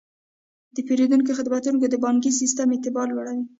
د پیرودونکو خدمتونه د بانکي سیستم اعتبار لوړوي.